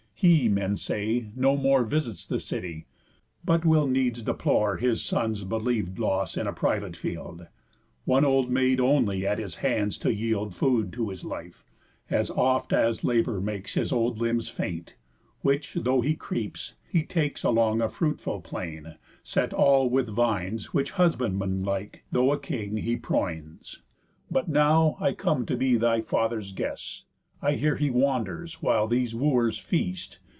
He, men say, no more Visits the city, but will needs deplore His son's believ'd loss in a private field; One old maid only at his hands to yield Food to his life, as oft as labour makes His old limbs faint; which, though he creeps, he takes Along a fruitful plain, set all with vines, Which husbandman like, though a king, he proins. But now I come to be thy father's guest; I hear he wanders, while these wooers feast.